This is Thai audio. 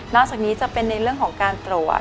อกจากนี้จะเป็นในเรื่องของการตรวจ